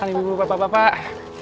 silahkan ibu bapak bapak